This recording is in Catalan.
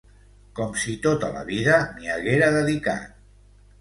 Com si tota la vida m’hi haguera dedicat.